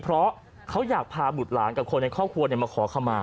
เพราะเขาอยากพาบุตรหลานกับคนในครอบครัวมาขอขมา